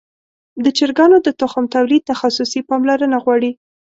د چرګانو د تخم تولید تخصصي پاملرنه غواړي.